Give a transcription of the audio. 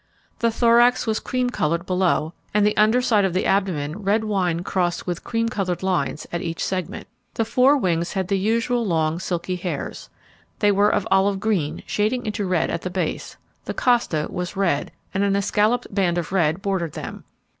The thorax was cream coloured below and the under side of the abdomen red wine crossed with cream coloured lines at each segment. The front wings had the usual long, silky hairs. They were of olive green shading into red, at the base, the costa was red, and an escalloped band of red bordered them.